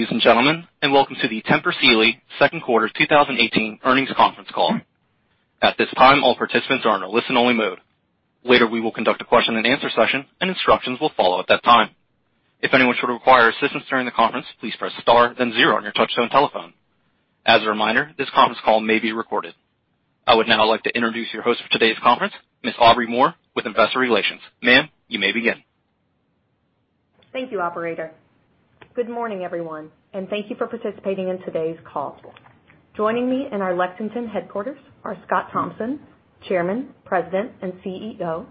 Good day, ladies and gentlemen, welcome to the Tempur Sealy second quarter 2018 earnings conference call. At this time, all participants are in a listen-only mode. Later, we will conduct a question and answer session. Instructions will follow at that time. If anyone should require assistance during the conference, please press star 0 on your touchtone telephone. As a reminder, this conference call may be recorded. I would now like to introduce your host for today's conference, Ms. Aubrey Moore, with Investor Relations. Ma'am, you may begin. Thank you, Operator. Good morning, everyone, and thank you for participating in today's call. Joining me in our Lexington headquarters are Scott Thompson, Chairman, President, and CEO;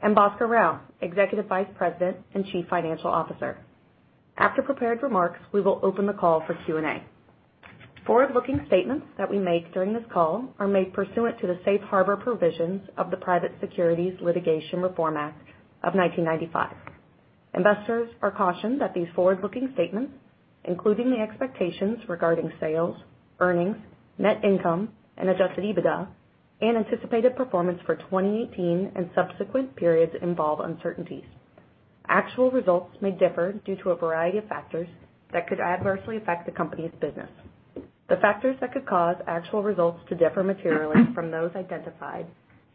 and Bhaskar Rao, Executive Vice President and Chief Financial Officer. After prepared remarks, we will open the call for Q&A. Forward-looking statements that we make during this call are made pursuant to the safe harbor provisions of the Private Securities Litigation Reform Act of 1995. Investors are cautioned that these forward-looking statements, including the expectations regarding sales, earnings, net income, and adjusted EBITDA and anticipated performance for 2018 and subsequent periods involve uncertainties. Actual results may differ due to a variety of factors that could adversely affect the company's business. The factors that could cause actual results to differ materially from those identified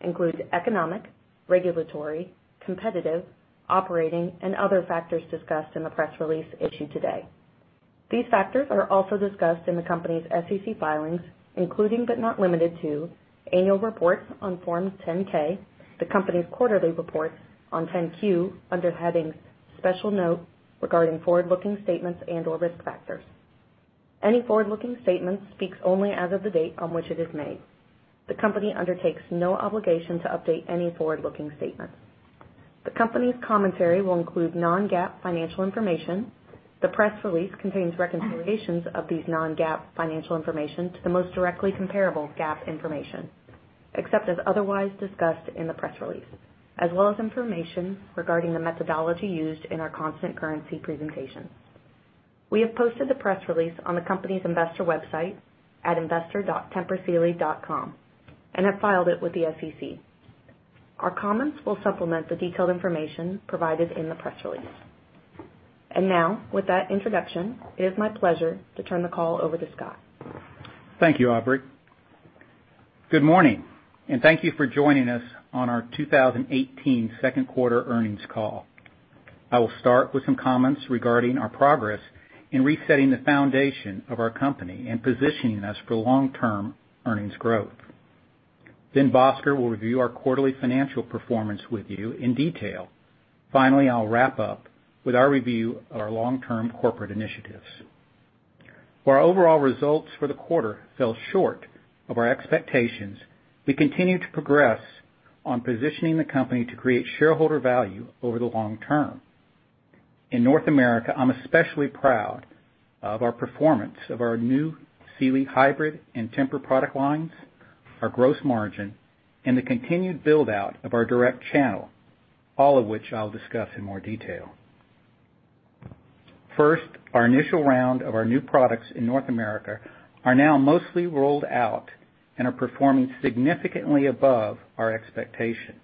include economic, regulatory, competitive, operating, and other factors discussed in the press release issued today. These factors are also discussed in the company's SEC filings, including, but not limited to annual reports on Form 10-K, the company's quarterly reports on 10-Q under headings Special Note Regarding Forward-Looking Statements and/or Risk Factors. Any forward-looking statement speaks only as of the date on which it is made. The company undertakes no obligation to update any forward-looking statement. The company's commentary will include non-GAAP financial information. The press release contains reconciliations of these non-GAAP financial information to the most directly comparable GAAP information, except as otherwise discussed in the press release, as well as information regarding the methodology used in our constant currency presentation. We have posted the press release on the company's investor website at investor.tempursealy.com and have filed it with the SEC. Our comments will supplement the detailed information provided in the press release. Now, with that introduction, it is my pleasure to turn the call over to Scott. Thank you, Aubrey. Good morning, and thank you for joining us on our 2018 second quarter earnings call. I will start with some comments regarding our progress in resetting the foundation of our company and positioning us for long-term earnings growth. Bhaskar will review our quarterly financial performance with you in detail. I'll wrap up with our review of our long-term corporate initiatives. While our overall results for the quarter fell short of our expectations, we continue to progress on positioning the company to create shareholder value over the long term. In North America, I'm especially proud of our performance of our new Sealy Hybrid and TEMPUR product lines, our gross margin, and the continued build-out of our direct channel, all of which I'll discuss in more detail. First, our initial round of our new products in North America are now mostly rolled out and are performing significantly above our expectation.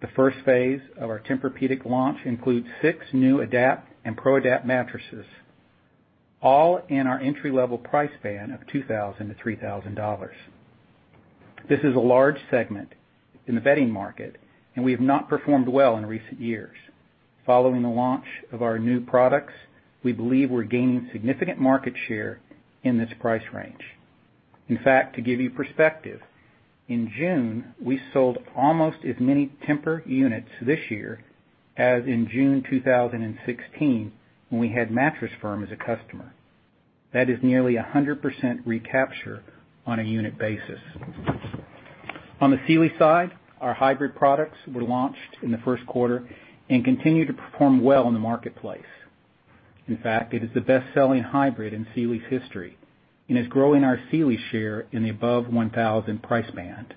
The first phase of our Tempur-Pedic launch includes six new Adapt and ProAdapt mattresses, all in our entry-level price band of $2,000-$3,000. This is a large segment in the bedding market, and we have not performed well in recent years. Following the launch of our new products, we believe we're gaining significant market share in this price range. In fact, to give you perspective, in June, we sold almost as many Tempur units this year as in June 2016 when we had Mattress Firm as a customer. That is nearly 100% recapture on a unit basis. On the Sealy side, our Hybrid products were launched in the first quarter and continue to perform well in the marketplace. In fact, it is the best-selling Hybrid in Sealy's history and is growing our Sealy share in the above $1,000 price band.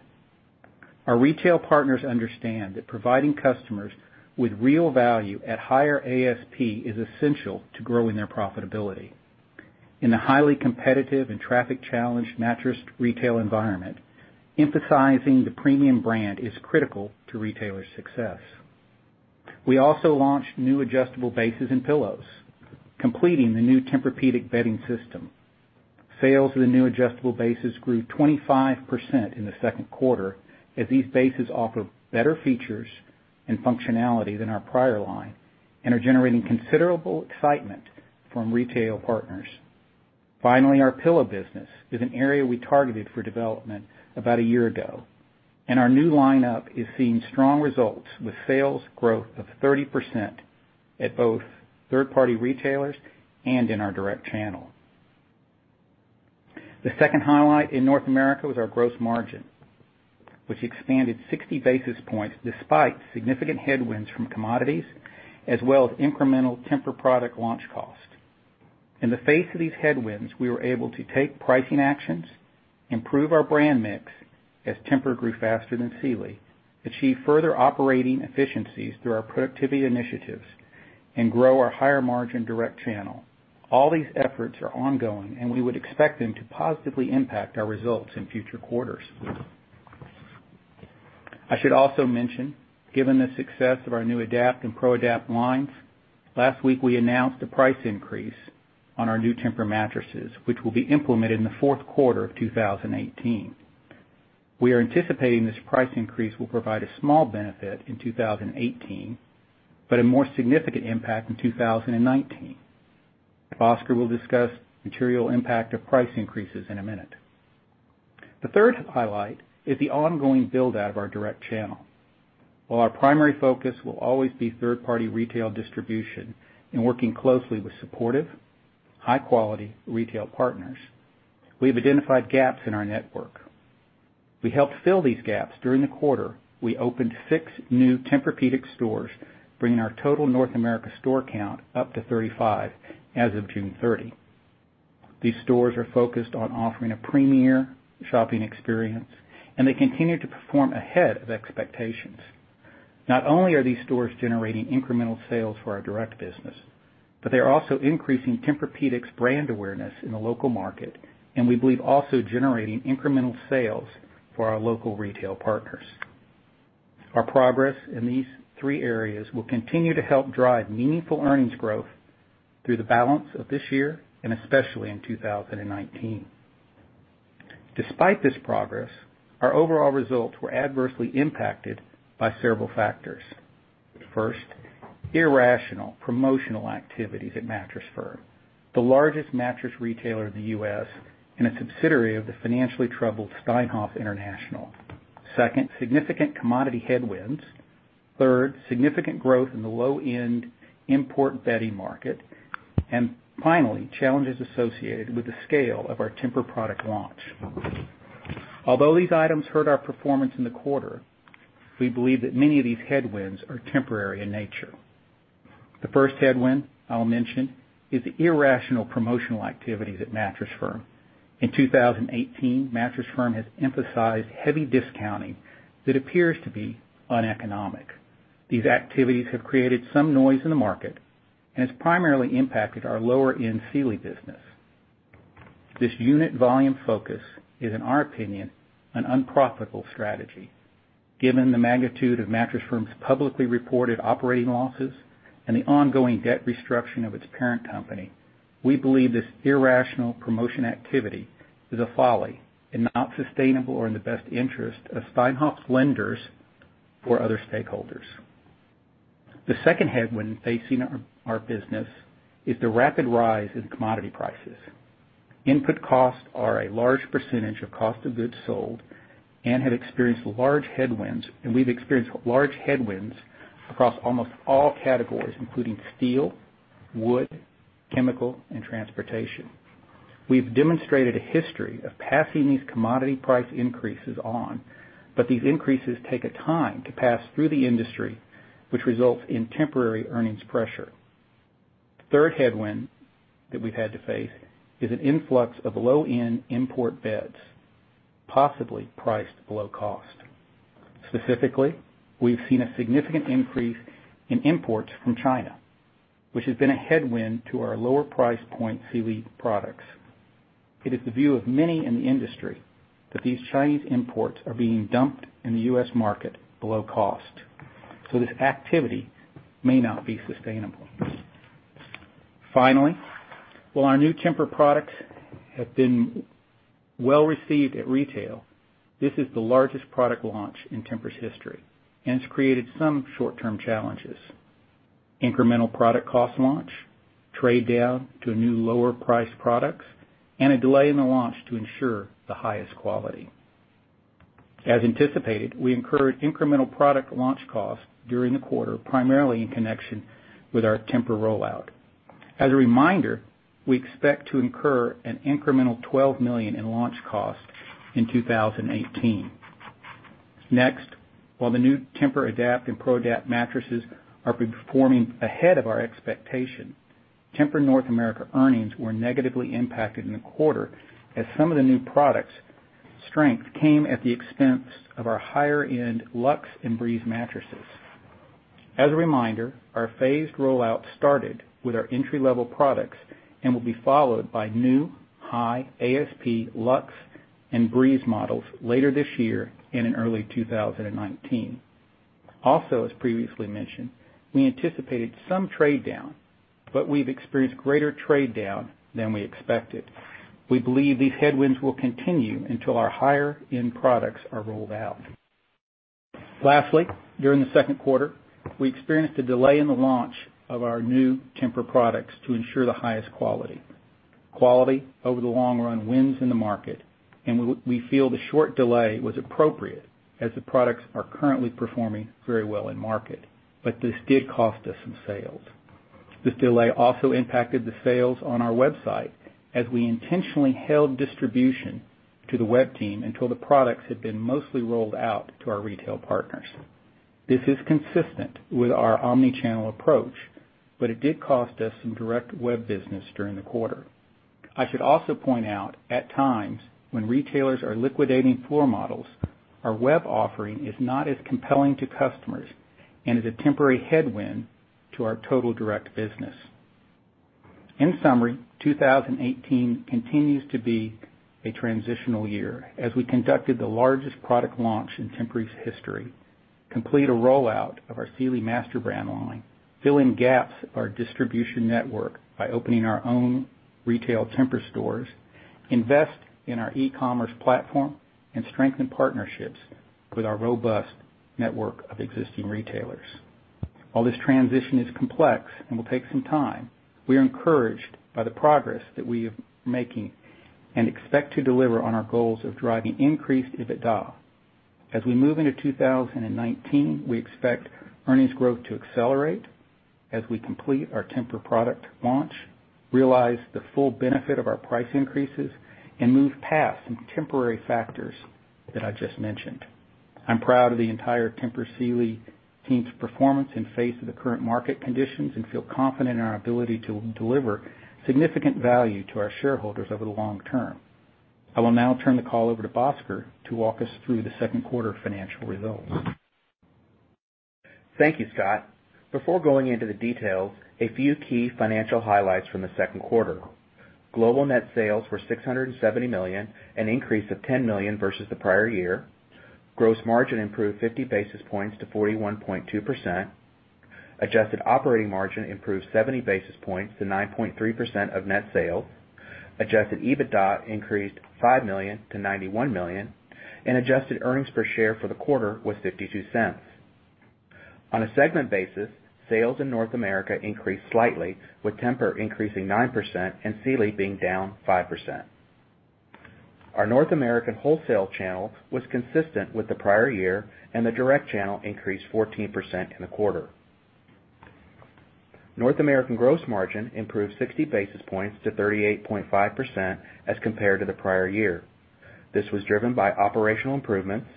Our retail partners understand that providing customers with real value at higher ASP is essential to growing their profitability. In a highly competitive and traffic-challenged mattress retail environment, emphasizing the premium brand is critical to retailers' success. We also launched new adjustable bases and pillows, completing the new Tempur-Pedic bedding system. Sales of the new adjustable bases grew 25% in the second quarter as these bases offer better features and functionality than our prior line and are generating considerable excitement from retail partners. Our pillow business is an area we targeted for development about a year ago, and our new lineup is seeing strong results with sales growth of 30% at both third-party retailers and in our direct channel. The second highlight in North America was our gross margin, which expanded 60 basis points despite significant headwinds from commodities as well as incremental TEMPUR product launch costs. In the face of these headwinds, we were able to take pricing actions, improve our brand mix as Tempur grew faster than Sealy, achieve further operating efficiencies through our productivity initiatives, and grow our higher-margin direct channel. All these efforts are ongoing, and we would expect them to positively impact our results in future quarters. I should also mention, given the success of our new Adapt and ProAdapt lines, last week we announced a price increase on our new Tempur mattresses, which will be implemented in the fourth quarter of 2018. We are anticipating this price increase will provide a small benefit in 2018, but a more significant impact in 2019. Bhaskar will discuss material impact of price increases in a minute. The third highlight is the ongoing build-out of our direct channel. While our primary focus will always be third-party retail distribution and working closely with supportive, high-quality retail partners, we've identified gaps in our network. We helped fill these gaps during the quarter. We opened six new Tempur-Pedic stores, bringing our total North America store count up to 35 as of June 30. These stores are focused on offering a premier shopping experience, and they continue to perform ahead of expectations. Not only are these stores generating incremental sales for our direct business, but they are also increasing Tempur-Pedic's brand awareness in the local market, and we believe also generating incremental sales for our local retail partners. Our progress in these three areas will continue to help drive meaningful earnings growth through the balance of this year and especially in 2019. Despite this progress, our overall results were adversely impacted by several factors. First, irrational promotional activities at Mattress Firm, the largest mattress retailer in the U.S. and a subsidiary of the financially troubled Steinhoff International. Second, significant commodity headwinds. Third, significant growth in the low-end import bedding market. Finally, challenges associated with the scale of our TEMPUR product launch. Although these items hurt our performance in the quarter, we believe that many of these headwinds are temporary in nature. The first headwind I'll mention is the irrational promotional activities at Mattress Firm. In 2018, Mattress Firm has emphasized heavy discounting that appears to be uneconomic. These activities have created some noise in the market and has primarily impacted our lower-end Sealy business. This unit volume focus is, in our opinion, an unprofitable strategy, given the magnitude of Mattress Firm's publicly reported operating losses and the ongoing debt restructuring of its parent company. We believe this irrational promotion activity is a folly and not sustainable or in the best interest of Steinhoff's lenders or other stakeholders. The second headwind facing our business is the rapid rise in commodity prices. Input costs are a large percentage of cost of goods sold and we've experienced large headwinds across almost all categories, including steel, wood, chemical, and transportation. We've demonstrated a history of passing these commodity price increases on, but these increases take a time to pass through the industry, which results in temporary earnings pressure. The third headwind that we've had to face is an influx of low-end import beds, possibly priced below cost. Specifically, we've seen a significant increase in imports from China, which has been a headwind to our lower price point Sealy products. This activity may not be sustainable. While our new TEMPUR products have been well-received at retail, this is the largest product launch in Tempur's history, and it's created some short-term challenges: incremental product cost launch, trade down to new lower priced products, and a delay in the launch to ensure the highest quality. As anticipated, we incurred incremental product launch costs during the quarter, primarily in connection with our Tempur rollout. As a reminder, we expect to incur an incremental $12 million in launch costs in 2018. Next, while the new TEMPUR-Adapt and ProAdapt mattresses are performing ahead of our expectation, Tempur North America earnings were negatively impacted in the quarter as some of the new products' strength came at the expense of our higher-end Luxe and Breeze mattresses. As a reminder, our phased rollout started with our entry-level products and will be followed by new high-ASP Luxe and Breeze models later this year and in early 2019. Also, as previously mentioned, we anticipated some trade down, but we've experienced greater trade down than we expected. We believe these headwinds will continue until our higher-end products are rolled out. Lastly, during the second quarter, we experienced a delay in the launch of our new TEMPUR products to ensure the highest quality. Quality over the long run wins in the market, we feel the short delay was appropriate as the products are currently performing very well in market, this did cost us some sales. This delay also impacted the sales on our website as we intentionally held distribution to the web team until the products had been mostly rolled out to our retail partners. This is consistent with our omni-channel approach, it did cost us some direct web business during the quarter. I should also point out, at times when retailers are liquidating floor models, our web offering is not as compelling to customers and is a temporary headwind to our total direct business. In summary, 2018 continues to be a transitional year as we conducted the largest product launch in Tempur's history, complete a rollout of our Sealy Masterbrand line, fill in gaps of our distribution network by opening our own retail Tempur stores, invest in our e-commerce platform, and strengthen partnerships with our robust network of existing retailers. While this transition is complex and will take some time, we are encouraged by the progress that we are making and expect to deliver on our goals of driving increased EBITDA. As we move into 2019, we expect earnings growth to accelerate as we complete our TEMPUR product launch, realize the full benefit of our price increases, and move past some temporary factors that I just mentioned. I'm proud of the entire Tempur Sealy team's performance in face of the current market conditions and feel confident in our ability to deliver significant value to our shareholders over the long term. I will now turn the call over to Bhaskar to walk us through the second quarter financial results. Thank you, Scott. Before going into the details, a few key financial highlights from the second quarter. Global net sales were $670 million, an increase of $10 million versus the prior year. Gross margin improved 50 basis points to 41.2%. Adjusted operating margin improved 70 basis points to 9.3% of net sales. Adjusted EBITDA increased $5 million to $91 million, and adjusted earnings per share for the quarter was $0.52. On a segment basis, sales in North America increased slightly, with Tempur increasing 9% and Sealy being down 5%. Our North American wholesale channel was consistent with the prior year and the direct channel increased 14% in the quarter. North American gross margin improved 60 basis points to 38.5% as compared to the prior year. This was driven by operational improvements,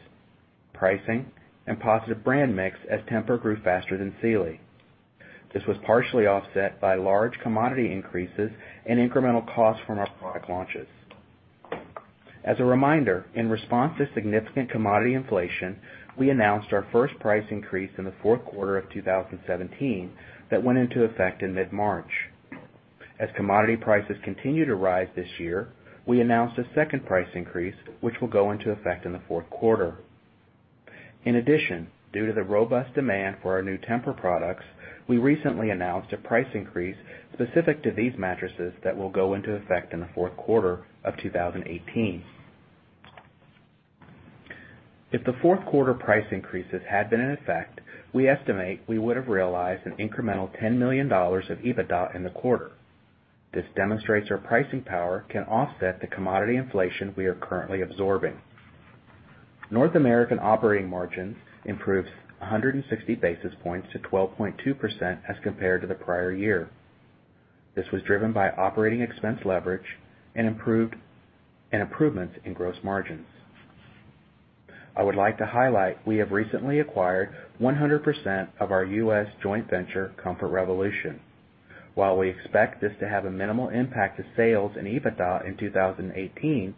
pricing and positive brand mix as Tempur grew faster than Sealy. This was partially offset by large commodity increases and incremental costs from our product launches. As a reminder, in response to significant commodity inflation, we announced our first price increase in the fourth quarter of 2017 that went into effect in mid-March. As commodity prices continue to rise this year, we announced a second price increase which will go into effect in the fourth quarter. In addition, due to the robust demand for our new TEMPUR products, we recently announced a price increase specific to these mattresses that will go into effect in the fourth quarter of 2018. If the fourth quarter price increases had been in effect, we estimate we would have realized an incremental $10 million of EBITDA in the quarter. This demonstrates our pricing power can offset the commodity inflation we are currently absorbing. North American operating margin improved 160 basis points to 12.2% as compared to the prior year. This was driven by operating expense leverage and improvements in gross margins. I would like to highlight we have recently acquired 100% of our U.S. joint venture Comfort Revolution. While we expect this to have a minimal impact to sales and EBITDA in 2018,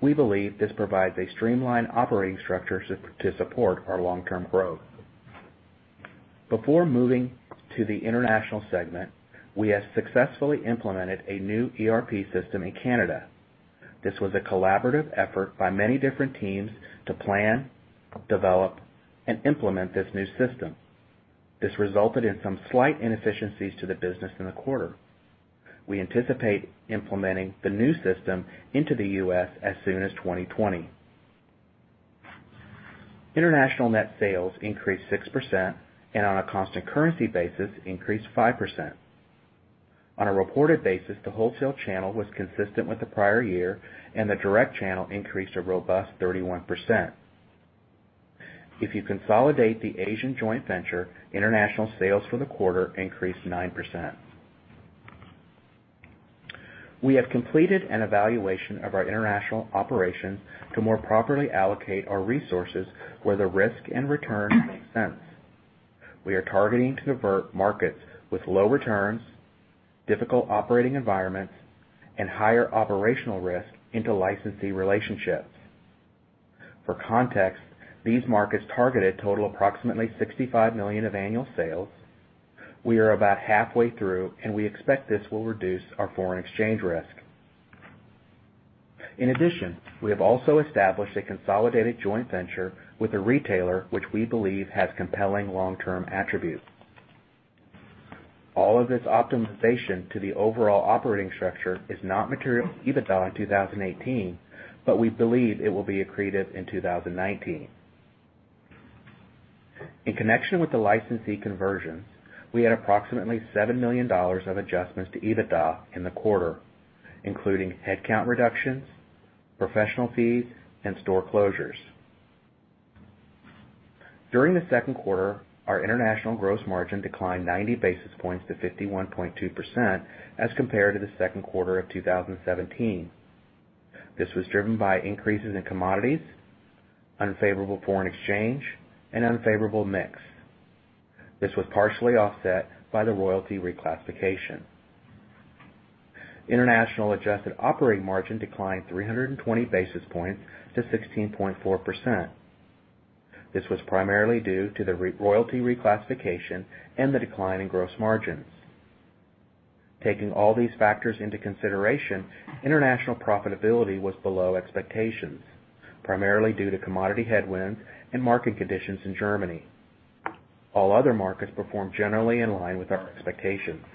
we believe this provides a streamlined operating structure to support our long-term growth. Before moving to the international segment, we have successfully implemented a new ERP system in Canada. This was a collaborative effort by many different teams to plan, develop, and implement this new system. This resulted in some slight inefficiencies to the business in the quarter. We anticipate implementing the new system into the U.S. as soon as 2020. International net sales increased 6% and on a constant currency basis increased 5%. On a reported basis, the wholesale channel was consistent with the prior year and the direct channel increased a robust 31%. If you consolidate the Asian joint venture, international sales for the quarter increased 9%. We have completed an evaluation of our international operations to more properly allocate our resources where the risk and return makes sense. We are targeting to convert markets with low returns, difficult operating environments and higher operational risk into licensee relationships. For context, these markets targeted total approximately $65 million of annual sales. We are about halfway through and we expect this will reduce our foreign exchange risk. In addition, we have also established a consolidated joint venture with a retailer which we believe has compelling long-term attributes. All of this optimization to the overall operating structure is not material to EBITDA in 2018, but we believe it will be accretive in 2019. In connection with the licensee conversions, we had approximately $7 million of adjustments to EBITDA in the quarter, including headcount reductions, professional fees and store closures. During the second quarter, our international gross margin declined 90 basis points to 51.2% as compared to the second quarter of 2017. This was driven by increases in commodities, unfavorable foreign exchange and unfavorable mix. This was partially offset by the royalty reclassification. International adjusted operating margin declined 320 basis points to 16.4%. This was primarily due to the re-royalty reclassification and the decline in gross margins. Taking all these factors into consideration, international profitability was below expectations, primarily due to commodity headwinds and market conditions in Germany. All other markets performed generally in line with our expectations.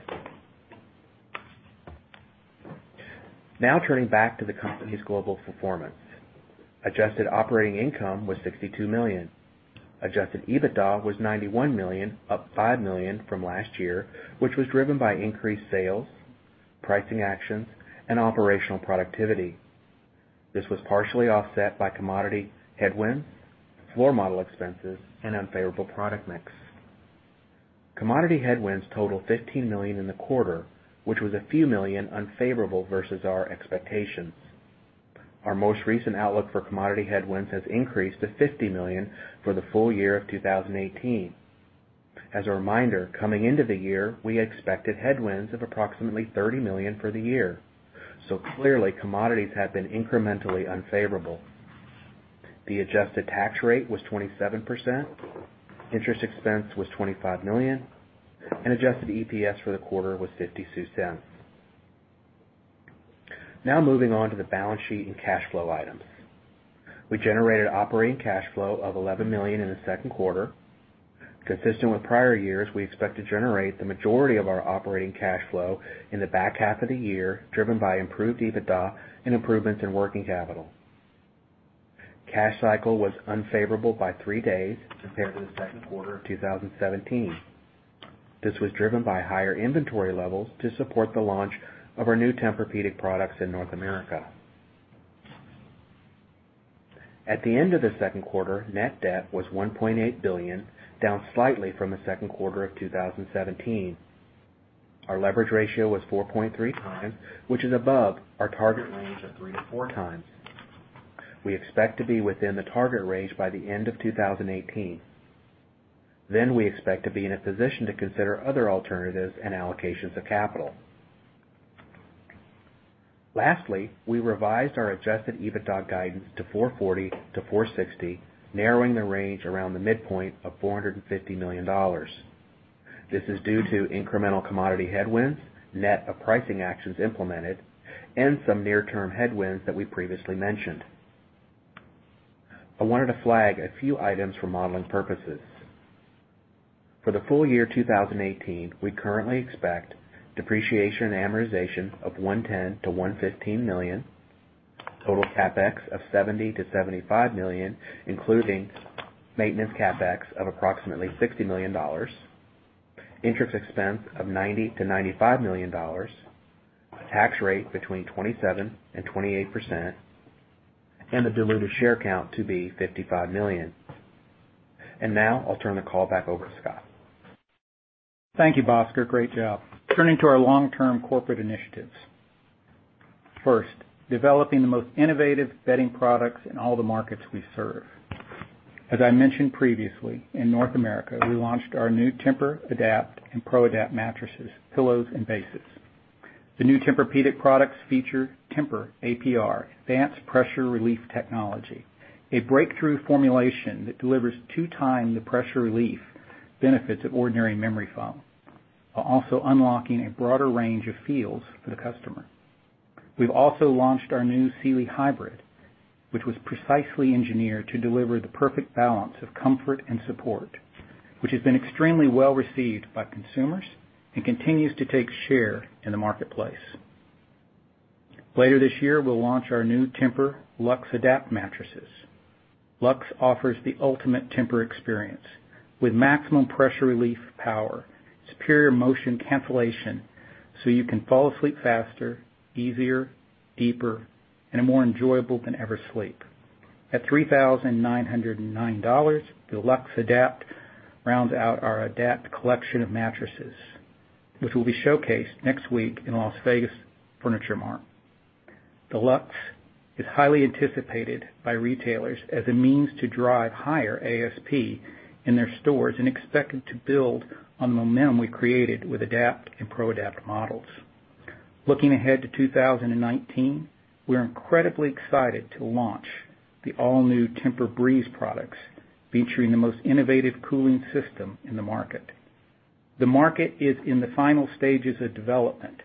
Turning back to the company's global performance. Adjusted operating income was $62 million. Adjusted EBITDA was $91 million, up $5 million from last year, which was driven by increased sales, pricing actions, and operational productivity. This was partially offset by commodity headwinds, floor model expenses, and unfavorable product mix. Commodity headwinds totaled $15 million in the quarter, which was a few million unfavorable versus our expectations. Our most recent outlook for commodity headwinds has increased to $50 million for the full year of 2018. As a reminder, coming into the year, we expected headwinds of approximately $30 million for the year. Clearly, commodities have been incrementally unfavorable. The adjusted tax rate was 27%, interest expense was $25 million, and adjusted EPS for the quarter was $0.52. Now moving on to the balance sheet and cash flow items. We generated operating cash flow of $11 million in the second quarter. Consistent with prior years, we expect to generate the majority of our operating cash flow in the back half of the year, driven by improved EBITDA and improvements in working capital. Cash cycle was unfavorable by three days compared to the second quarter of 2017. This was driven by higher inventory levels to support the launch of our new Tempur-Pedic products in North America. At the end of the second quarter, net debt was $1.8 billion, down slightly from the second quarter of 2017. Our leverage ratio was 4.3x, which is above our target range of 3x-4x. We expect to be within the target range by the end of 2018. We expect to be in a position to consider other alternatives and allocations of capital. Lastly, we revised our adjusted EBITDA guidance to $440 million-$460 million, narrowing the range around the midpoint of $450 million. This is due to incremental commodity headwinds, net of pricing actions implemented, and some near-term headwinds that we previously mentioned. I wanted to flag a few items for modeling purposes. For the full year 2018, we currently expect depreciation and amortization of $110 million-$115 million, total CapEx of $70 million-$75 million, including maintenance CapEx of approximately $60 million, interest expense of $90 million-$95 million, tax rate between 27% and 28%, and the diluted share count to be 55 million. Now I'll turn the call back over to Scott. Thank you, Bhaskar. Great job. Turning to our long-term corporate initiatives. First, developing the most innovative bedding products in all the markets we serve. As I mentioned previously, in North America, we launched our new TEMPUR-Adapt and ProAdapt mattresses, pillows, and bases. The new Tempur-Pedic products feature TEMPUR-APR, Advanced Pressure Relief technology, a breakthrough formulation that delivers two times the pressure relief benefits of ordinary memory foam, while also unlocking a broader range of feels for the customer. We've also launched our new Sealy Hybrid, which was precisely engineered to deliver the perfect balance of comfort and support, which has been extremely well-received by consumers and continues to take share in the marketplace. Later this year, we'll launch our new TEMPUR-LuxeAdapt mattresses. Luxe offers the ultimate TEMPUR experience with maximum pressure relief power, superior motion cancellation, so you can fall asleep faster, easier, deeper, and a more enjoyable than ever sleep. At $3,999, the LuxeAdapt rounds out our Adapt collection of mattresses, which will be showcased next week in Las Vegas Market. The Luxe is highly anticipated by retailers as a means to drive higher ASP in their stores and expected to build on the momentum we created with Adapt and ProAdapt models. Looking ahead to 2019, we're incredibly excited to launch the all-new TEMPUR-Breeze products, featuring the most innovative cooling system in the market. The market is in the final stages of development.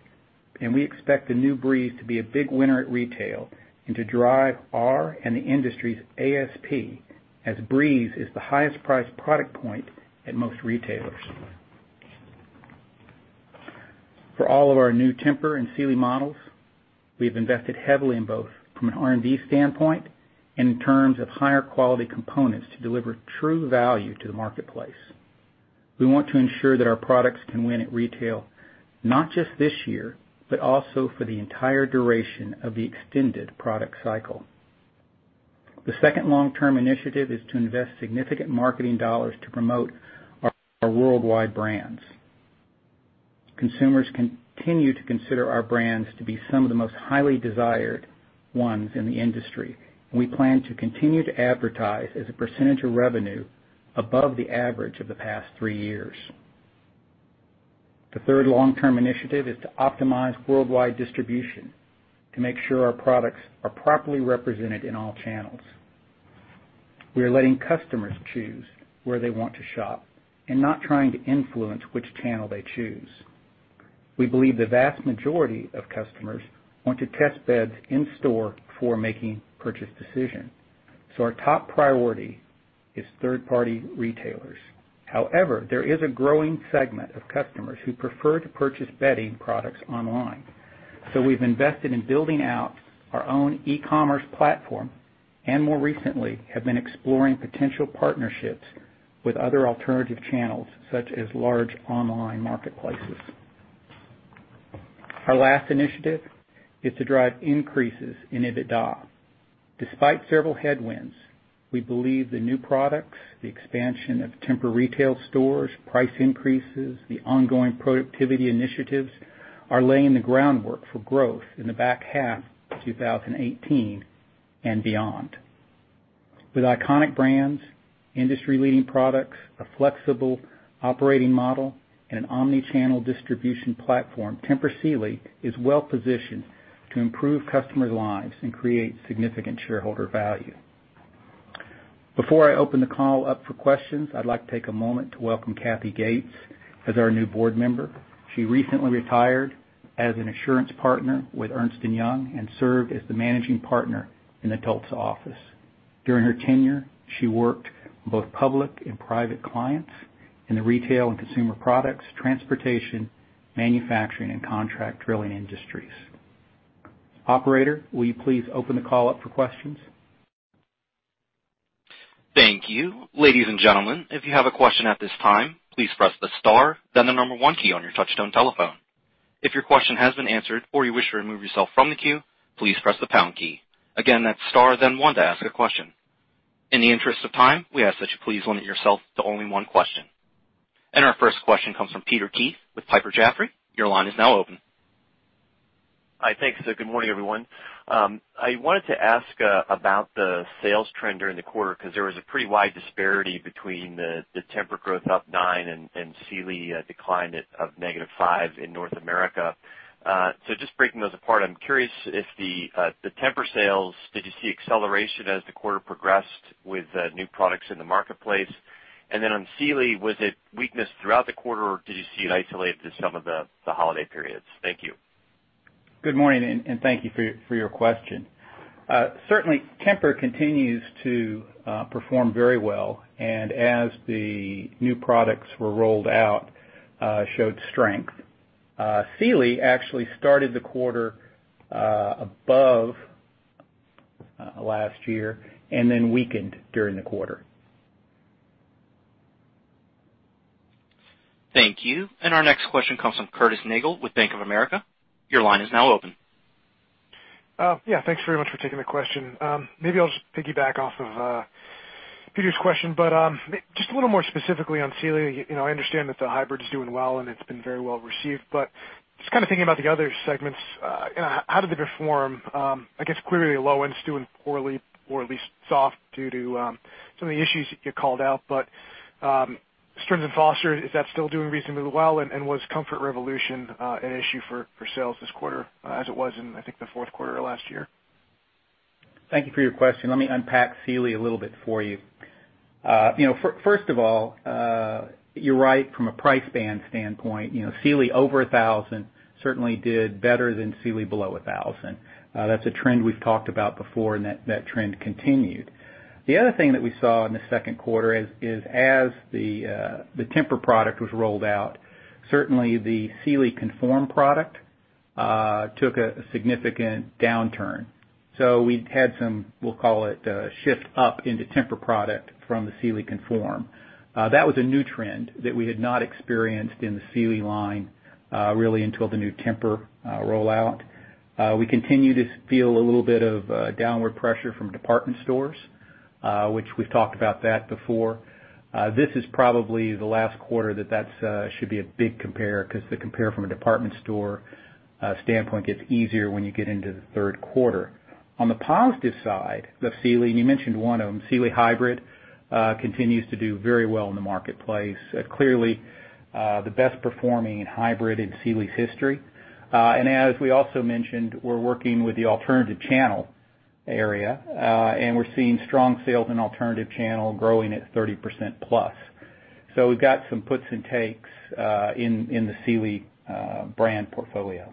We expect the new Breeze to be a big winner at retail and to drive our and the industry's ASP as Breeze is the highest priced product point at most retailers. For all of our new Tempur and Sealy models, we have invested heavily in both from an R&D standpoint and in terms of higher quality components to deliver true value to the marketplace. We want to ensure that our products can win at retail, not just this year, but also for the entire duration of the extended product cycle. The second long-term initiative is to invest significant marketing dollars to promote our worldwide brands. Consumers continue to consider our brands to be some of the most highly desired ones in the industry. We plan to continue to advertise as a percentage of revenue above the average of the past three years. The third long-term initiative is to optimize worldwide distribution to make sure our products are properly represented in all channels. We are letting customers choose where they want to shop and not trying to influence which channel they choose. We believe the vast majority of customers want to test beds in store before making purchase decisions, so our top priority is third-party retailers. However, there is a growing segment of customers who prefer to purchase bedding products online. We've invested in building out our own e-commerce platform and more recently have been exploring potential partnerships with other alternative channels such as large online marketplaces. Our last initiative is to drive increases in EBITDA. Despite several headwinds, we believe the new products, the expansion of Tempur retail stores, price increases, the ongoing productivity initiatives are laying the groundwork for growth in the back half of 2018 and beyond. With iconic brands, industry-leading products, a flexible operating model, and an omni-channel distribution platform, Tempur Sealy is well positioned to improve customers' lives and create significant shareholder value. Before I open the call up for questions, I'd like to take a moment to welcome Cathy Gates as our new Board Member. She recently retired as an assurance partner with Ernst & Young and served as the Managing Partner in [Atlanta] office. During her tenure, she worked both public and private clients in the retail and consumer products, transportation, manufacturing, and contract drilling industries. Operator, will you please open the call up for questions? Thank you. Ladies and gentlemen, if you have a question at this time, please press the star, then the number one key on your touchtone telephone. If your question has been answered or you wish to remove yourself from the queue, please press the pound key. Again, that's star then one to ask a question. In the interest of time, we ask that you please limit yourself to only one question. Our first question comes from Peter Keith with Piper Jaffray. Your line is now open. Hi. Thanks. Good morning, everyone. I wanted to ask about the sales trend during the quarter because there was a pretty wide disparity between the Tempur growth up 9% and Sealy decline of -5% in North America. Just breaking those apart, I'm curious if the Tempur sales, did you see acceleration as the quarter progressed with new products in the marketplace? Then on Sealy, was it weakness throughout the quarter, or did you see it isolated to some of the holiday periods? Thank you. Good morning. Thank you for your question. Certainly Tempur continues to perform very well, and as the new products were rolled out, showed strength. Sealy actually started the quarter above last year and then weakened during the quarter. Thank you. Our next question comes from Curtis Nagle with Bank of America. Your line is now open. Yeah, thanks very much for taking the question. Maybe I'll just piggyback off of Peter's question. Just a little more specifically on Sealy. You know, I understand that the Hybrid's doing well, and it's been very well received. Just kind of thinking about the other segments, how did they perform? I guess clearly the low end's doing poorly or at least soft due to some of the issues you called out. Stearns & Foster, is that still doing reasonably well? Was Comfort Revolution an issue for sales this quarter, as it was in, I think, the fourth quarter of last year? Thank you for your question. Let me unpack Sealy a little bit for you. You know, first of all, you're right from a price band standpoint. You know, Sealy over 1,000 certainly did better than Sealy below 1,000. That's a trend we've talked about before, and that trend continued. The other thing that we saw in the second quarter is as the TEMPUR product was rolled out, certainly the Sealy Conform product took a significant downturn. We had some, we'll call it, shift up into TEMPUR product from the Sealy Conform. That was a new trend that we had not experienced in the Sealy line really until the new Tempur rollout. We continue to feel a little bit of downward pressure from department stores, which we've talked about that before. This is probably the last quarter that should be a big compare because the compare from a department store standpoint gets easier when you get into the third quarter. On the positive side of Sealy, you mentioned one of them, Sealy Hybrid, continues to do very well in the marketplace. Clearly, the best performing in hybrid in Sealy's history. As we also mentioned, we're working with the alternative channel area, and we're seeing strong sales in alternative channel growing at 30%+. We've got some puts and takes in the Sealy brand portfolio.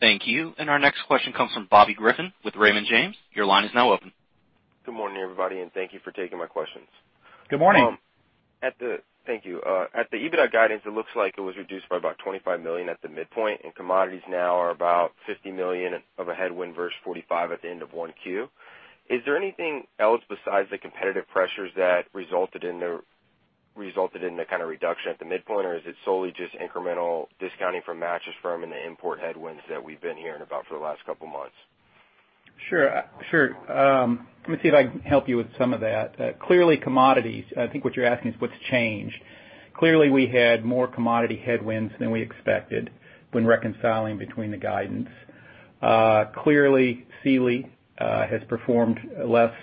Thank you. Our next question comes from Bobby Griffin with Raymond James. Your line is now open. Good morning, everybody, thank you for taking my questions. Good morning. Thank you. At the EBITDA guidance, it looks like it was reduced by about $25 million at the midpoint, and commodities now are about $50 million of a headwind versus $45 at the end of 1Q. Is there anything else besides the competitive pressures that resulted in the kind of reduction at the midpoint? Or is it solely just incremental discounting from Mattress Firm and the import headwinds that we've been hearing about for the last couple months? Sure. Let me see if I can help you with some of that. I think what you're asking is what's changed. Clearly, we had more commodity headwinds than we expected when reconciling between the guidance. Clearly, Sealy has performed less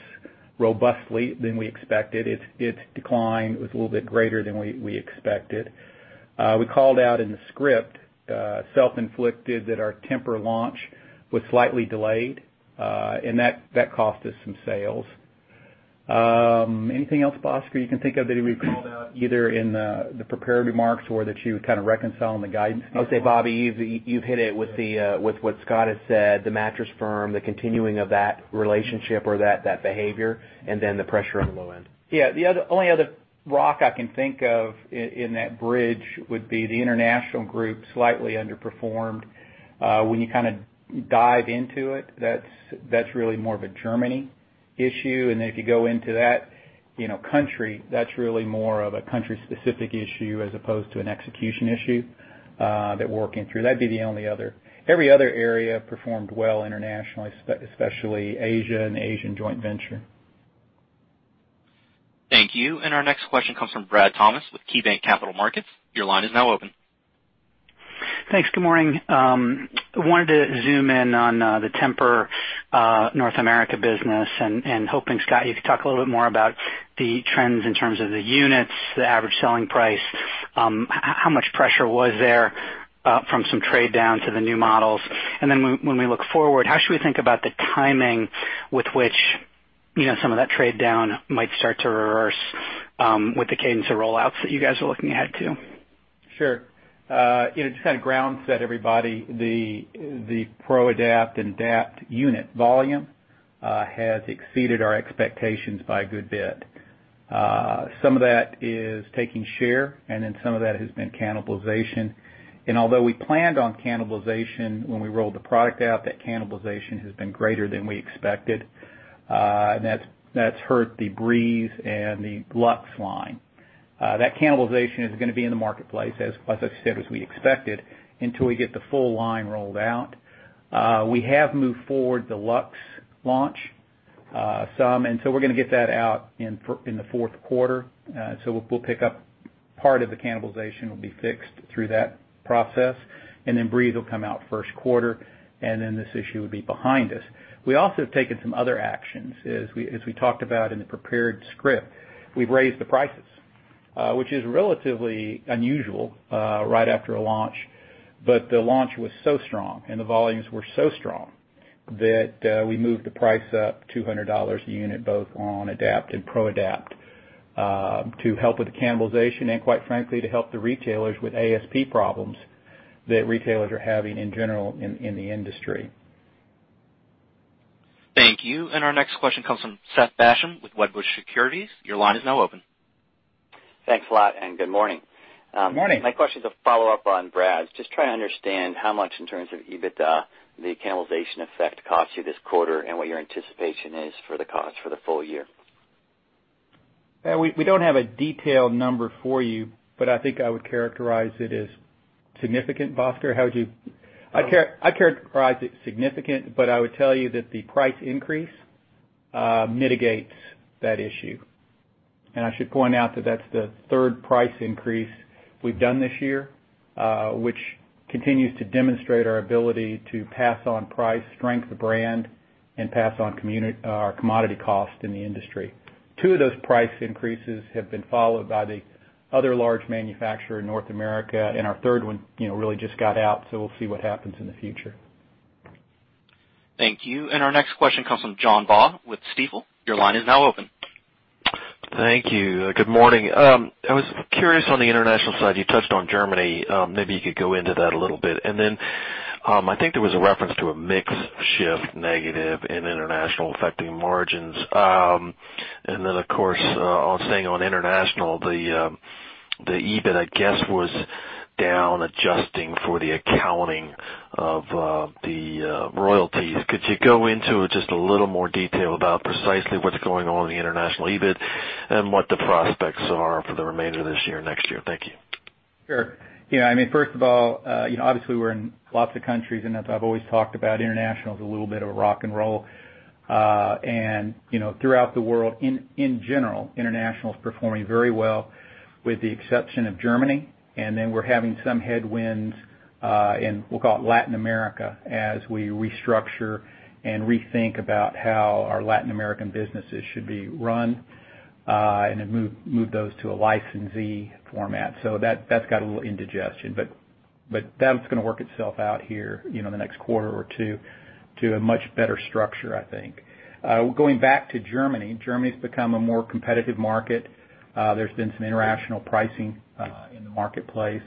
robustly than we expected. Its decline was a little bit greater than we expected. We called out in the script, self-inflicted that our Tempur launch was slightly delayed, and that cost us some sales. Anything else, Bhaskar, you can think of that we called out either in the prepared remarks or that you would kind of reconcile in the guidance? I'll say, Bobby, you've hit it with what Scott has said, the Mattress Firm, the continuing of that relationship or that behavior and then the pressure on the low end. Yeah. Only other rock I can think of in that bridge would be the international group slightly underperformed. When you kind of dive into it, that's really more of a Germany issue. If you go into that, you know, country, that's really more of a country-specific issue as opposed to an execution issue that we're working through. That'd be the only other. Every other area performed well internationally, especially Asia and Asian joint venture. Thank you. Our next question comes from Brad Thomas with KeyBanc Capital Markets. Your line is now open. Thanks. Good morning. Wanted to zoom in on the Tempur North America business and hoping, Scott, you could talk a little bit more about the trends in terms of the units, the average selling price, how much pressure was there from some trade down to the new models? When we look forward, how should we think about the timing with which, you know, some of that trade down might start to reverse with the cadence of rollouts that you guys are looking ahead to? Sure. You know, just kind of ground set everybody, the ProAdapt and Adapt unit volume has exceeded our expectations by a good bit. Some of that is taking share, and then some of that has been cannibalization. Although we planned on cannibalization when we rolled the product out, that cannibalization has been greater than we expected. That's hurt the Breeze and the Luxe line. That cannibalization is gonna be in the marketplace, as I said, as we expected, until we get the full line rolled out. We have moved forward the Luxe launch, some, and so we're gonna get that out in the fourth quarter. We'll pick up part of the cannibalization will be fixed through that process. Breeze will come out first quarter, then this issue would be behind us. We also have taken some other actions. As we talked about in the prepared script, we've raised the prices, which is relatively unusual right after a launch. The launch was so strong and the volumes were so strong that we moved the price up $200 a unit, both on Adapt and ProAdapt to help with the cannibalization and quite frankly, to help the retailers with ASP problems that retailers are having in general in the industry. Thank you. Our next question comes from Seth Basham with Wedbush Securities. Thanks a lot. Good morning. Morning. My question is a follow-up on Brad's. Just trying to understand how much in terms of EBITDA the cannibalization effect cost you this quarter and what your anticipation is for the cost for the full year. Yeah, we don't have a detailed number for you, but I think I would characterize it as significant. Bhaskar, how would you- I'd characterize it significant, I would tell you that the price increase mitigates that issue. I should point out that that's the third price increase we've done this year, which continues to demonstrate our ability to pass on price, strength of brand, and pass on commodity cost in the industry. Two of those price increases have been followed by the other large manufacturer in North America, our third one, you know, really just got out, we'll see what happens in the future. Thank you. Our next question comes from John Baugh with Stifel. Your line is now open. Thank you. Good morning. I was curious on the international side, you touched on Germany. Maybe you could go into that a little bit. Then, I think there was a reference to a mix shift negative in international affecting margins. Then of course, on staying on international, the EBIT, I guess, was down adjusting for the accounting of the royalties. Could you go into just a little more detail about precisely what's going on in the international EBIT and what the prospects are for the remainder of this year, next year? Thank you. Sure. You know, I mean, first of all, you know, obviously we're in lots of countries, and as I've always talked about, international is a little bit of a rock and roll. And, you know, throughout the world, in general, international is performing very well with the exception of Germany. Then we're having some headwinds, in, we'll call it Latin America, as we restructure and rethink about how our Latin American businesses should be run, and then move those to a licensee format. That's got a little indigestion, but that's gonna work itself out here, you know, in the next quarter or two to a much better structure, I think. Going back to Germany's become a more competitive market. There's been some international pricing in the marketplace.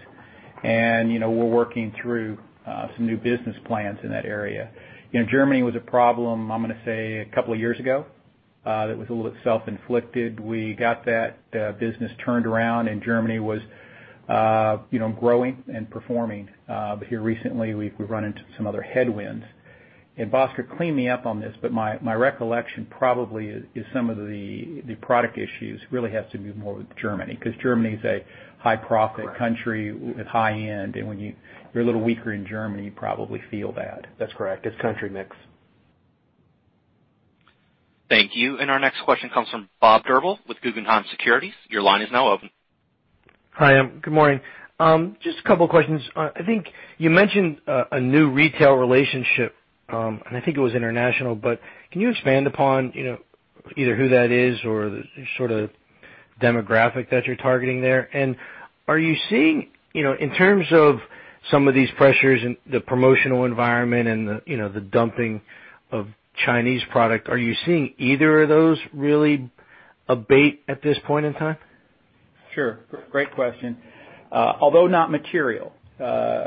You know, we're working through some new business plans in that area. You know, Germany was a problem, I'm gonna say, a couple of years ago, that was a little bit self-inflicted. We got that business turned around and Germany was, you know, growing and performing. Here recently, we've run into some other headwinds. Bhaskar, clean me up on this, but my recollection probably is some of the product issues really has to do more with Germany 'cause Germany is a high profit country with high end. When you're a little weaker in Germany, you probably feel that. That's correct. It's country mix. Thank you. Our next question comes from Bob Drbul with Guggenheim Securities. Your line is now open. Hi, good morning. Just a couple questions. I think you mentioned a new retail relationship, and I think it was international, but can you expand upon, you know, either who that is or the sort of demographic that you're targeting there? Are you seeing, you know, in terms of some of these pressures in the promotional environment and the, you know, the dumping of Chinese product, are you seeing either of those really abate at this point in time? Sure. Great question. Although not material,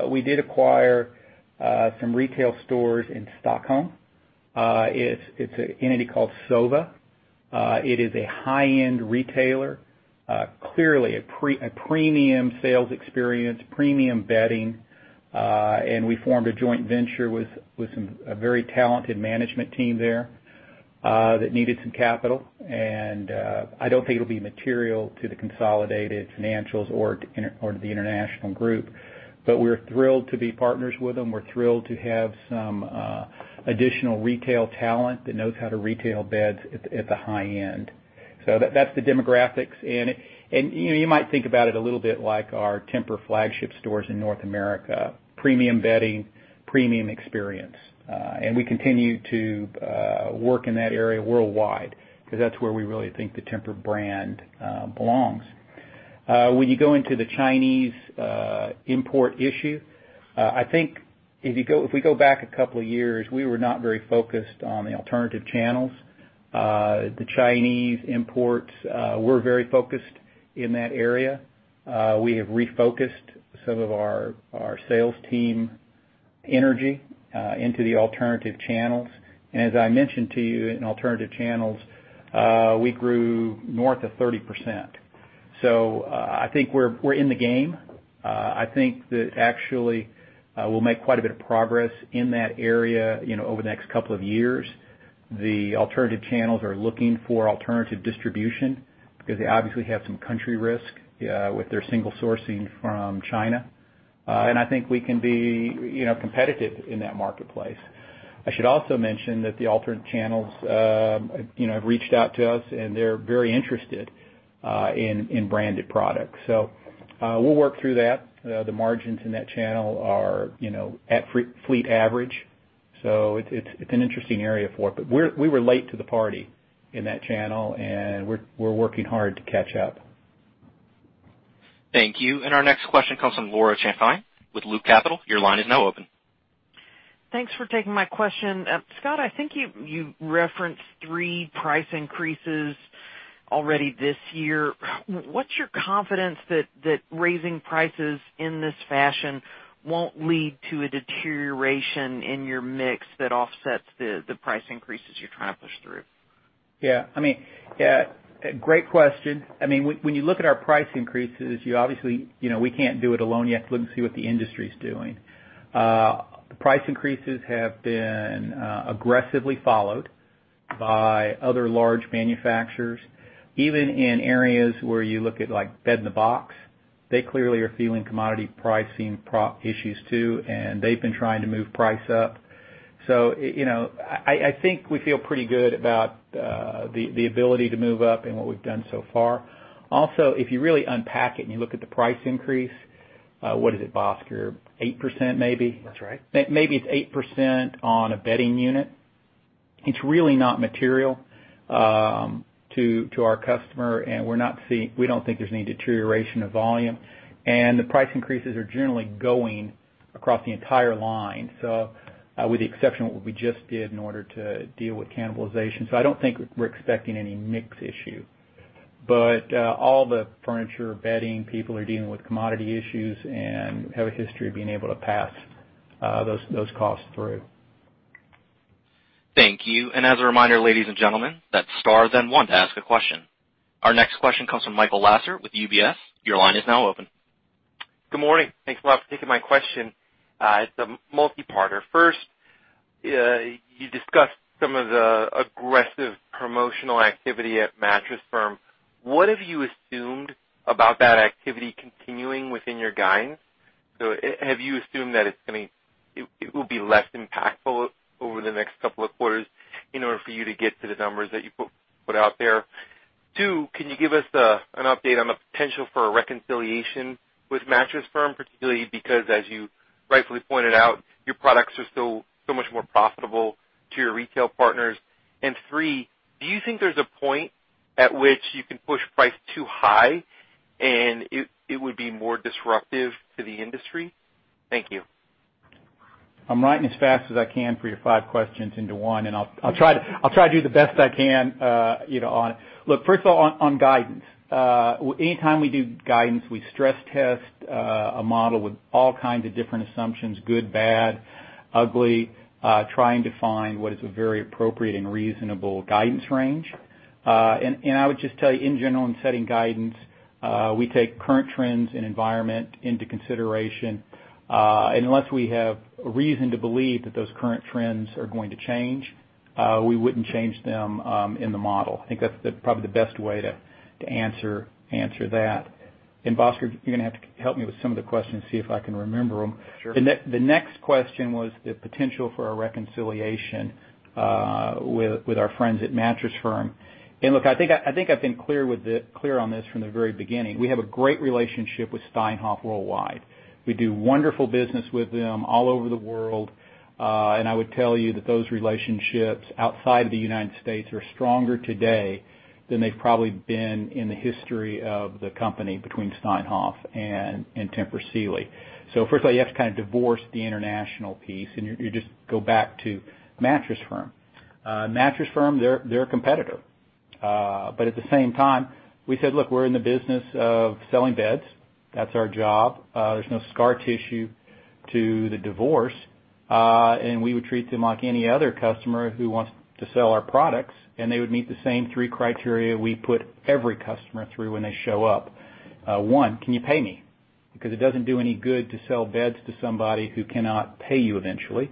we did acquire some retail stores in Stockholm. It's an entity called SOVA. It is a high-end retailer, clearly a premium sales experience, premium bedding. We formed a joint venture with a very talented management team there that needed some capital. I don't think it'll be material to the consolidated financials or to the international group, but we're thrilled to be partners with them. We're thrilled to have some additional retail talent that knows how to retail beds at the high end. That's the demographics. You know, you might think about it a little bit like our Tempur flagship stores in North America, premium bedding, premium experience. And we continue to work in that area worldwide because that's where we really think the Tempur brand belongs. When you go into the Chinese import issue, I think if we go back a couple of years, we were not very focused on the alternative channels. The Chinese imports, we're very focused in that area. We have refocused some of our sales team energy into the alternative channels. As I mentioned to you in alternative channels, we grew north of 30%. I think we're in the game. I think that actually, we'll make quite a bit of progress in that area, you know, over the next couple of years. The alternative channels are looking for alternative distribution because they obviously have some country risk with their single sourcing from China. I think we can be, you know, competitive in that marketplace. I should also mention that the alternate channels, you know, have reached out to us, and they're very interested in branded products. We'll work through that. The margins in that channel are, you know, at fleet average, so it's, it's an interesting area for it. We were late to the party in that channel, and we're working hard to catch up. Thank you. Our next question comes from Laura Champine with Loop Capital. Your line is now open. Thanks for taking my question. Scott, I think you referenced three price increases already this year. What's your confidence that raising prices in this fashion won't lead to a deterioration in your mix that offsets the price increases you're trying to push through? Great question. When you look at our price increases, you know, we can't do it alone. You have to look and see what the industry's doing. The price increases have been aggressively followed by other large manufacturers. Even in areas where you look at, like, bed-in-a-box, they clearly are feeling commodity pricing issues too, and they've been trying to move price up. You know, I think we feel pretty good about the ability to move up and what we've done so far. Also, if you really unpack it and you look at the price increase, what is it, Bhaskar, 8% maybe? That's right. Maybe it's 8% on a bedding unit. It's really not material to our customer, and we don't think there's any deterioration of volume. The price increases are generally going across the entire line with the exception of what we just did in order to deal with cannibalization. I don't think we're expecting any mix issue. All the furniture bedding people are dealing with commodity issues and have a history of being able to pass those costs through. Thank you. As a reminder, ladies and gentlemen, that's star then one to ask a question. Our next question comes from Michael Lasser with UBS. Your line is now open. Good morning. Thanks a lot for taking my question. It's a multi-parter. First, you discussed some of the aggressive promotional activity at Mattress Firm. What have you assumed about that activity continuing within your guidance? Have you assumed that it will be less impactful over the next couple of quarters in order for you to get to the numbers that you put out there? Two, can you give us an update on the potential for a reconciliation with Mattress Firm, particularly because, as you rightfully pointed out, your products are still so much more profitable to your retail partners? Three, do you think there's a point at which you can push price too high, it would be more disruptive to the industry? Thank you. I'm writing as fast as I can for your five questions into one, I'll try to do the best I can, you know, on it. Look, first of all, on guidance. Anytime we do guidance, we stress test a model with all kinds of different assumptions, good, bad, ugly, trying to find what is a very appropriate and reasonable guidance range. I would just tell you, in general, in setting guidance, we take current trends and environment into consideration. Unless we have a reason to believe that those current trends are going to change, we wouldn't change them in the model. I think that's probably the best way to answer that. Bhaskar, you're gonna have to help me with some of the questions, see if I can remember them. Sure. The next question was the potential for a reconciliation with our friends at Mattress Firm. Look, I think I've been clear on this from the very beginning. We have a great relationship with Steinhoff worldwide. We do wonderful business with them all over the world, and I would tell you that those relationships outside the United States are stronger today than they've probably been in the history of the company between Steinhoff and Tempur Sealy. First of all, you have to kind of divorce the international piece, and you just go back to Mattress Firm. Mattress Firm, they're a competitor. At the same time, we said, "Look, we're in the business of selling beds. That's our job. There's no scar tissue to the divorce, we would treat them like any other customer who wants to sell our products, and they would meet the same three criteria we put every customer through when they show up. One, can you pay me? It doesn't do any good to sell beds to somebody who cannot pay you eventually.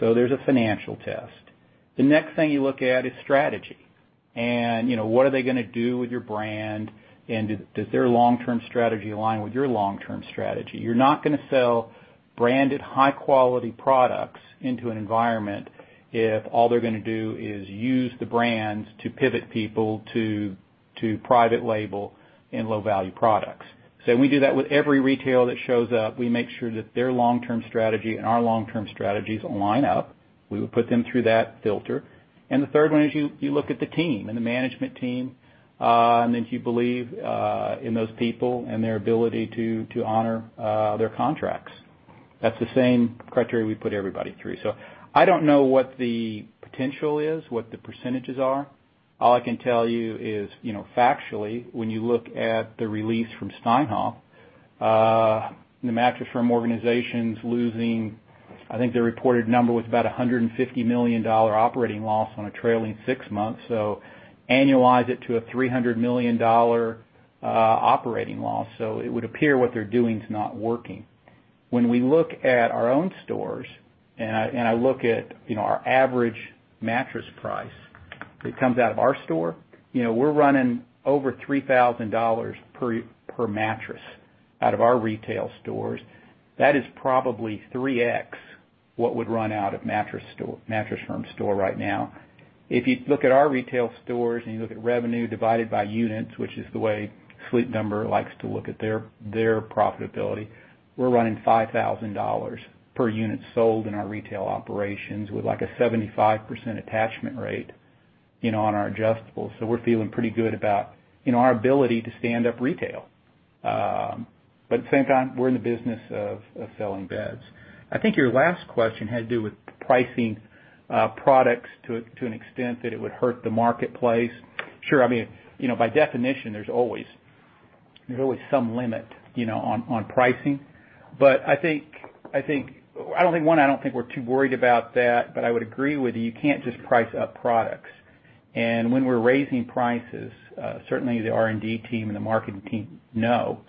There's a financial test. The next thing you look at is strategy. You know, what are they gonna do with your brand? Does their long-term strategy align with your long-term strategy? You're not gonna sell branded high-quality products into an environment if all they're gonna do is use the brands to pivot people to private label and low-value products. We do that with every retail that shows up. We make sure that their long-term strategy and our long-term strategies line up. We would put them through that filter. The third one is you look at the team and the management team, and if you believe in those people and their ability to honor their contracts. That's the same criteria we put everybody through. I don't know what the potential is, what the percentages are. All I can tell you is, you know, factually, when you look at the release from Steinhoff, the Mattress Firm organization's losing I think their reported number was about a $150 million operating loss on a trailing six months. Annualize it to a $300 million operating loss. It would appear what they're doing is not working. When we look at our own stores, and I look at, you know, our average mattress price that comes out of our store, you know, we're running over $3,000 per mattress out of our retail stores. That is probably 3x what would run out of Mattress Firm store right now. If you look at our retail stores and you look at revenue divided by units, which is the way Sleep Number likes to look at their profitability, we're running $5,000 per unit sold in our retail operations with like a 75% attachment rate, you know, on our adjustable. We're feeling pretty good about, you know, our ability to stand up retail. At the same time, we're in the business of selling beds. I think your last question had to do with pricing products to an extent that it would hurt the marketplace. Sure. I mean, you know, by definition, there's always some limit, you know, on pricing. I don't think we're too worried about that, but I would agree with you can't just price up products. When we're raising prices, certainly the R&D team and the marketing team know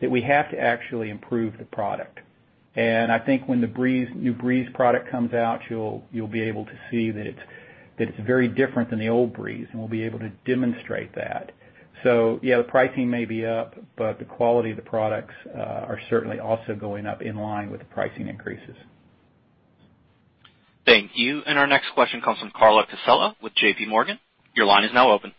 that we have to actually improve the product. I think when the new Breeze product comes out, you'll be able to see that it's very different than the old Breeze, and we'll be able to demonstrate that. Yeah, the pricing may be up, but the quality of the products are certainly also going up in line with the pricing increases. Thank you. Our next question comes from Carla Casella with JPMorgan. Your line is now open.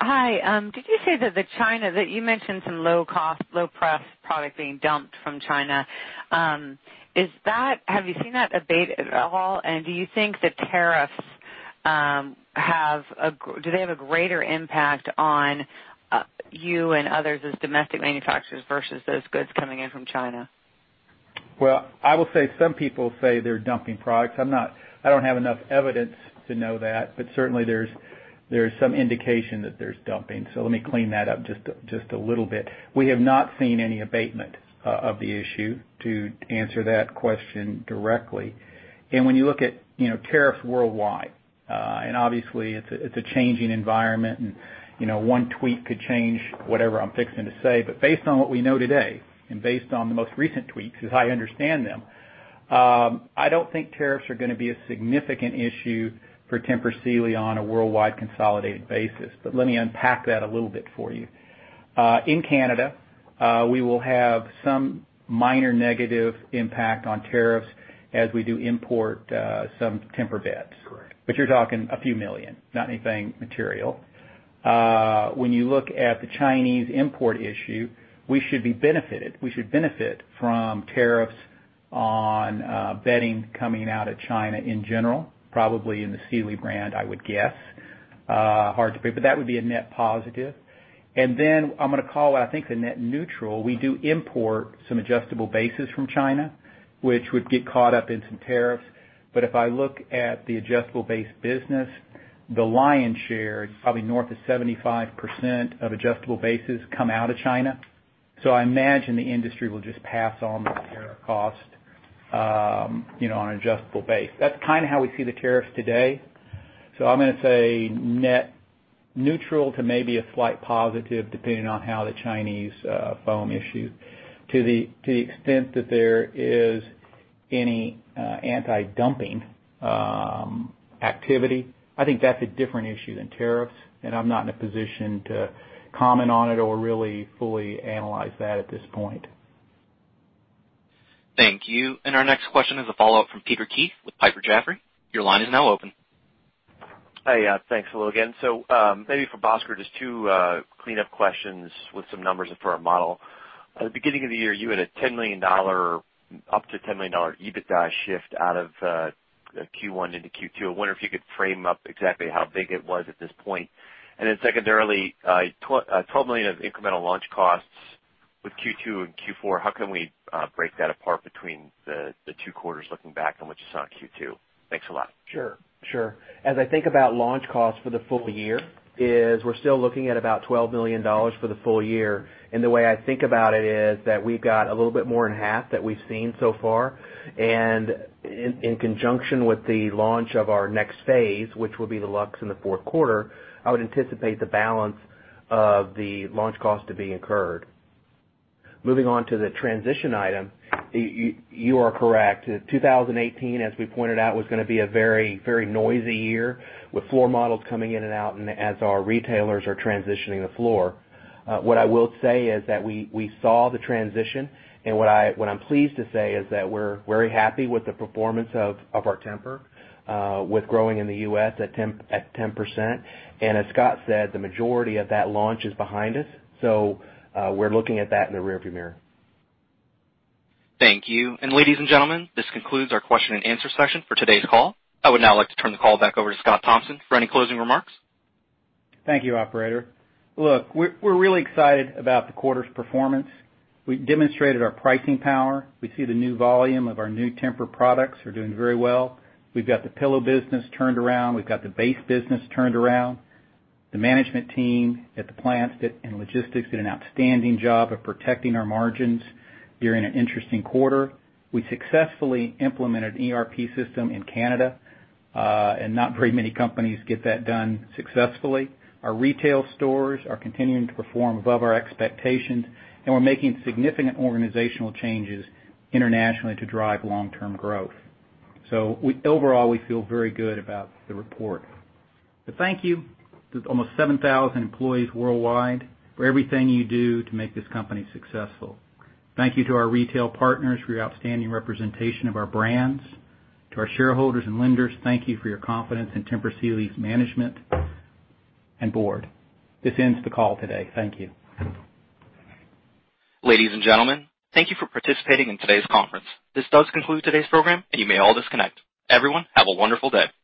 Hi. Did you say that you mentioned some low-cost, low-priced product being dumped from China. Have you seen that abate at all? Do you think that tariffs, do they have a greater impact on you and others as domestic manufacturers versus those goods coming in from China? Well, I will say some people say they're dumping products. I don't have enough evidence to know that, but certainly there's some indication that there's dumping. Let me clean that up just a little bit. We have not seen any abatement of the issue, to answer that question directly. When you look at, you know, tariffs worldwide, and obviously it's a changing environment and, you know, one tweet could change whatever I'm fixing to say. Based on what we know today and based on the most recent tweets, as I understand them, I don't think tariffs are gonna be a significant issue for Tempur Sealy on a worldwide consolidated basis. Let me unpack that a little bit for you. In Canada, we will have some minor negative impact on tariffs as we do import some TEMPUR beds. Correct. You're talking a few million, not anything material. When you look at the Chinese import issue, we should be benefited. We should benefit from tariffs on bedding coming out of China in general, probably in the Sealy brand, I would guess. Hard to predict. That would be a net positive. I'm gonna call, I think, the net neutral. We do import some adjustable bases from China, which would get caught up in some tariffs. If I look at the adjustable base business, the lion's share, probably north of 75% of adjustable bases come out of China. I imagine the industry will just pass on the tariff cost, you know, on adjustable base. That's kind of how we see the tariffs today. I'm gonna say net neutral to maybe a slight positive, depending on how the Chinese foam issue, to the extent that there is any anti-dumping activity, I think that's a different issue than tariffs, and I'm not in a position to comment on it or really fully analyze that at this point. Thank you. Our next question is a follow-up from Peter Keith with Piper Jaffray. Your line is now open. Hey, thanks a little again. Maybe for Bhaskar, just two cleanup questions with some numbers for our model. At the beginning of the year, you had up to $10 million EBITDA shift out of Q1 into Q2. I wonder if you could frame up exactly how big it was at this point. Secondarily, $12 million of incremental launch costs with Q2 and Q4. How can we break that apart between the two quarters looking back on what you saw in Q2? Thanks a lot. Sure. As I think about launch costs for the full year, we're still looking at about $12 million for the full year. The way I think about it is that we've got a little bit more in the half that we've seen so far. In conjunction with the launch of our next phase, which will be the Luxe in the fourth quarter, I would anticipate the balance of the launch cost to be incurred. Moving on to the transition item, you are correct. 2018, as we pointed out, was going to be a very noisy year with floor models coming in and out and as our retailers are transitioning the floor. What I will say is that we saw the transition, what I'm pleased to say is that we're very happy with the performance of our Tempur, with growing in the U.S. at 10%. As Scott said, the majority of that launch is behind us, so we're looking at that in the rearview mirror. Thank you. Ladies and gentlemen, this concludes our question and answer session for today's call. I would now like to turn the call back over to Scott Thompson for any closing remarks. Thank you, operator. Look, we're really excited about the quarter's performance. We demonstrated our pricing power. We see the new volume of our new TEMPUR products are doing very well. We've got the pillow business turned around. We've got the base business turned around. The management team at the plants and logistics did an outstanding job of protecting our margins during an interesting quarter. We successfully implemented ERP system in Canada. Not very many companies get that done successfully. Our retail stores are continuing to perform above our expectations. We're making significant organizational changes internationally to drive long-term growth. Overall, we feel very good about the report. Thank you to almost 7,000 employees worldwide for everything you do to make this company successful. Thank you to our retail partners for your outstanding representation of our brands. To our shareholders and lenders, thank you for your confidence in Tempur Sealy's management and board. This ends the call today. Thank you. Ladies and gentlemen, thank you for participating in today's conference. This does conclude today's program, and you may all disconnect. Everyone, have a wonderful day.